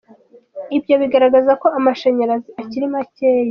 Ibyo bigaragaza ko amashanyarazi akiri makeya.